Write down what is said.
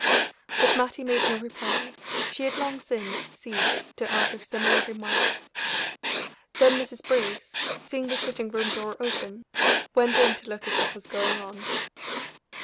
But Mattie made no reply; she had long since ceased to answer similar remarks. Then Mrs. Brace, seeing the sitting room door open, went in to look at what was going on.